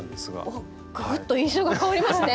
おっぐぐっと印象が変わりますね。